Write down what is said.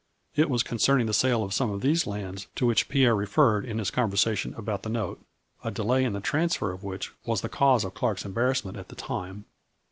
It was concerning the sale of some of these lands to which Pierre referred in his conversation about the note, a delay in the transfer of which was the cause of Clark's em barrassment at the time."